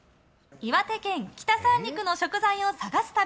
岩手県北三陸の食材を探す旅。